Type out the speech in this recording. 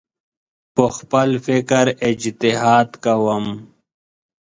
په خپل فکر اجتهاد کوم